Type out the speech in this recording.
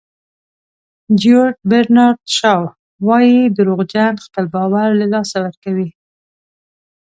جیورج برنارد شاو وایي دروغجن خپل باور له لاسه ورکوي.